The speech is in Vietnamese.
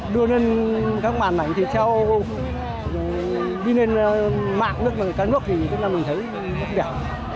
đưa lên các màn ảnh thì cho đi lên mạng nước các nước thì chúng ta mình thấy đẹp